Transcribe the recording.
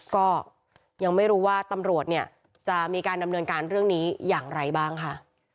ก็ยังไม่รู้ว่าตำรวจเนี่ยจะมีการดำเนินการเรื่องนี้อย่างไรบ้างค่ะ